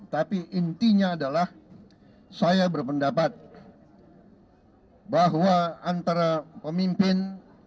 tapi intinya adalah saya berpendapat bahwa antara pemimpin